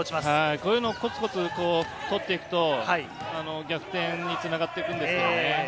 こういうコツコツ取っていくと逆点に繋がっていくんですけどね。